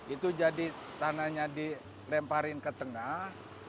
itu jadi tanahnya dilemparin ke tengah